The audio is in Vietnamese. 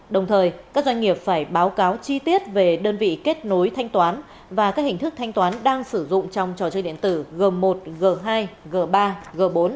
đồng thời các doanh nghiệp phải báo cáo chi tiết về đơn vị kết nối thanh toán và các hình thức thanh toán đang sử dụng trong trò chơi điện tử gồm một g hai g ba g bốn